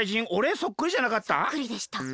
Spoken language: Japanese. そっくりでした。